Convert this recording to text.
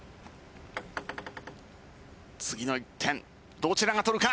次の１点どちらが取るか。